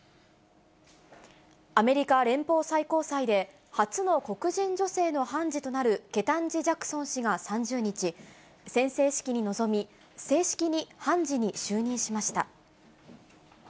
アメリカ連邦最高裁で、初の黒人女性の判事となる、ケタンジ・ジャクソン氏が３０日、宣誓式に臨み、正式に判事に就任しました。